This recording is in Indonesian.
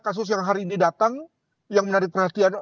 kasus yang hari ini datang yang menarik perhatian